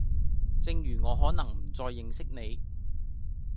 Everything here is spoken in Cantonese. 正如我可能唔再認識你